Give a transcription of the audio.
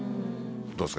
どうですか？